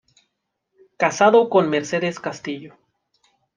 Casado con Mercedes Castillo.